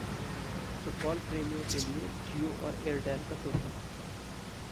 football प्रेमियों के लिए जियो और एयरटेल का तोहफा